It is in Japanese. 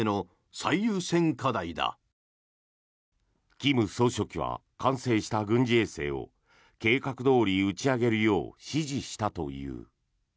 金総書記は完成した軍事衛星を計画どおり打ち上げるよう指示したという。